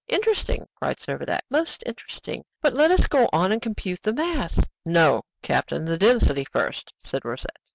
"Interesting!" cried Servadac, "most interesting! But let us go on and compute the mass." "No, captain, the density first," said Rosette.